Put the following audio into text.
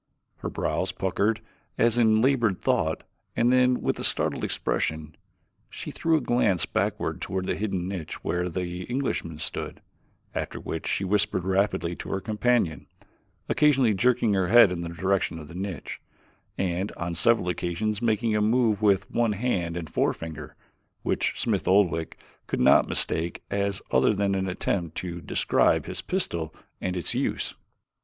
Her brows puckered as in labored thought and then with a startled expression, she threw a glance backward toward the hidden niche where the Englishman stood, after which she whispered rapidly to her companion, occasionally jerking her head in the direction of the niche and on several occasions making a move with one hand and forefinger, which Smith Oldwick could not mistake as other than an attempt to describe his pistol and its use.